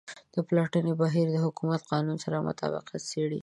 د پلټنې بهیر د حکومت قانون سره مطابقت څیړي.